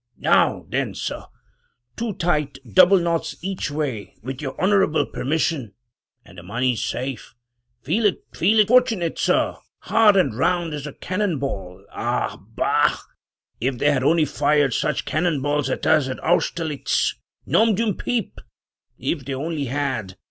Now then, sir — two tight double knots each way with your honorable permission, and the money's safe. Feel it! feel it, fortunate sir! hard and round as a cannon ball — Ah, bah! if they had only fired such cannon balls at us at Austerlitz — nom d'une pipe! if they only had!